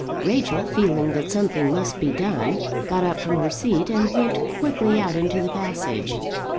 Rachel, feeling that something must be done, got up from her seat and went quickly out into the passage.